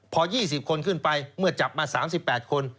พอ๒๐คนขึ้นไปเมื่อจับมา๓๘คน